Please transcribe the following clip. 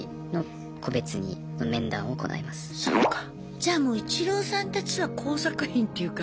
じゃあもうイチローさんたちは工作員っていうか。